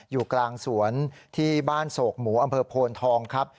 อยู่กลางสวนที่บ้านโศกหมูอำเภอโพนทองครับ